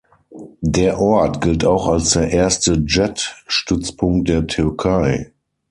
Der Ort gilt auch als der erste Jet-Stützpunkt der Türkei.